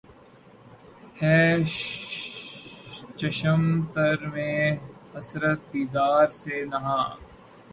ھے چشم تر میں حسرت دیدار سے نہاں